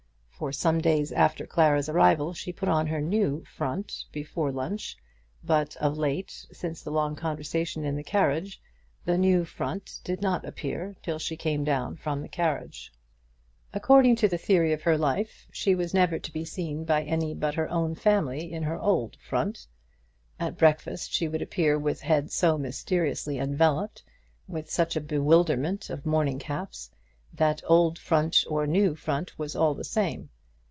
For some days after Clara's arrival she put on her new "front" before lunch; but of late, since the long conversation in the carriage, the new "front" did not appear till she came down for the carriage. According to the theory of her life, she was never to be seen by any but her own family in her old "front." At breakfast she would appear with head so mysteriously enveloped, with such a bewilderment of morning caps, that old "front" or new "front" was all the same.